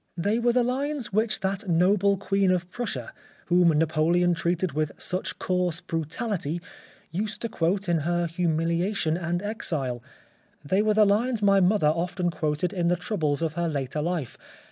" They were the lines which that noble Queen of Prussia, whom Napoleon treated with such coarse brutality, used to quote in her humiliation and exile ; they were the lines my mother often 32 The Life of Oscar Wilde quoted in the troubles of her later life.